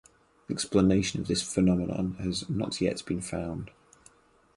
Explanation of this phenomenon has not yet been found.